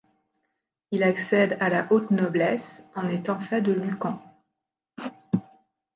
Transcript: Il accède à la haute noblesse en étant fait de Lucan.